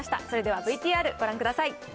それではＶＴＲ、ご覧ください。